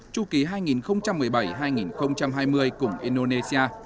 chu ký hai nghìn một mươi bảy hai nghìn hai mươi cùng indonesia